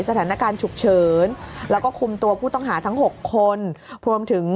สถานการณ์ฉุกเฉินแล้วก็คุมตัวผู้ต้องหาทั้ง๖คนรวมถึง